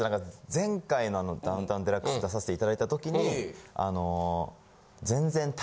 前回の『ダウンタウンＤＸ』出させていただいた時に。